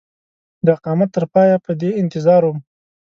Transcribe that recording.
د اقامت تر پایه په دې انتظار وم.